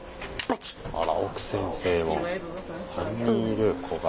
あらオク先生も３人いる子が。